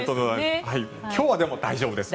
今日はでも大丈夫です。